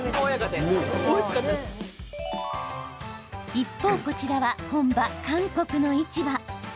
一方こちらは本場、韓国の市場。